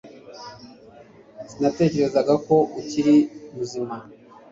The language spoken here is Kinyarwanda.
Sinatekerezaga ko ukiri muzima